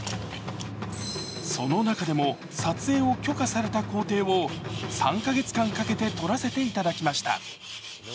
その中でも、撮影を許可された工程を３カ月間かけて撮らせていただきました。